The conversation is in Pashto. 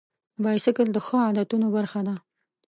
بایسکل د ښو عادتونو برخه ده.